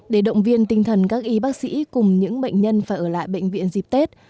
để động viên tinh thần các y bác sĩ cùng những bệnh nhân phải ở lại bệnh viện dịp tết